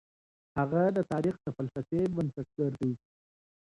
هغه د تاريخ د فلسفې بنسټګر دی.